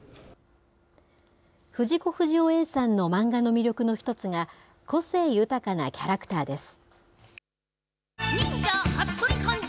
藤子不二雄Ａさんの漫画の魅力の１つが、個性豊かなキャラクターです。